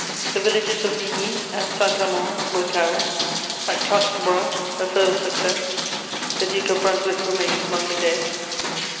The villages of Ligny and Saint Amand were carried. At Quatre Bras, a further success: the Duke of Brunswick remained among the dead.